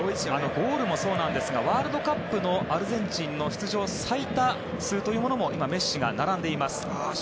ゴールもそうなんですがワールドカップのアルゼンチンの出場最多数というのも今、メッシが並んでいます。